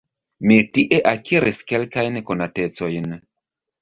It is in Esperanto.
Mi tie akiris kelkajn konatecojn.